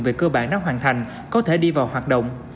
về cơ bản đã hoàn thành có thể đi vào hoạt động